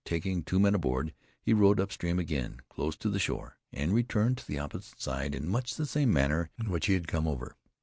Taking two men aboard he rowed upstream again, close to the shore, and returned to the opposite side in much the same manner in which he had come over.